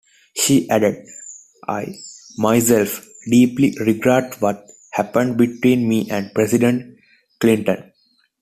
She added: I, myself, deeply regret what happened between me and President Clinton.